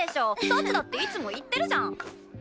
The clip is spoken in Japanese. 幸だっていつも言ってるじゃん。